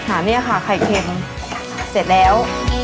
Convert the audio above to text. อันนี้ค่ะไข่เค็มเสร็จแล้ว